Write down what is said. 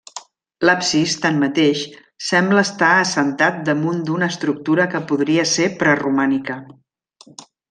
L'absis, tanmateix, sembla estar assentat damunt d'una estructura que podria ser preromànica.